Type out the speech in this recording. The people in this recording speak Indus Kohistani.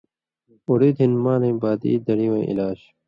اُڑُد ہِن مالَیں بادی دڑی وَیں علاج